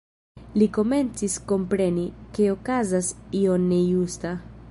Li komencis kompreni, ke okazas io nejusta.